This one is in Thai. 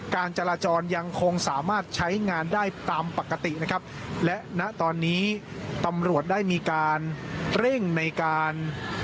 การจราจรยังคงสามารถใช้งานได้ตามปกตินะครับและณตอนนี้ตำรวจได้มีการเร่งในการ